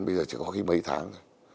bây giờ chỉ có cái mấy tháng thôi